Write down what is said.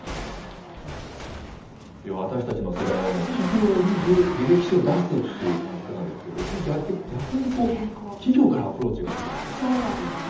私たちの世代はもう、企業に履歴書出すっていう感覚なんですけど、逆に企業からアプロそうなんですよね。